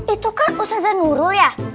itu kan khususnya nurul ya